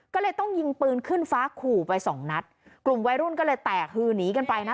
ก็เลยต้องยิงปืนขึ้นฟ้าขู่ไปสองนัดกลุ่มวัยรุ่นก็เลยแตกฮือหนีกันไปนะ